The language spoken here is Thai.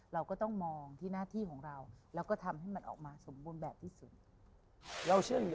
เราเชื่ออยู่อย่างนี้ค่ะ